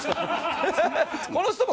この人も。